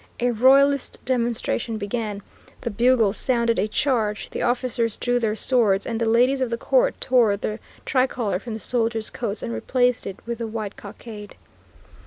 A royalist demonstration began. The bugles sounded a charge, the officers drew their swords, and the ladies of the court tore the tricolor from the soldiers' coats and replaced it with the white cockade.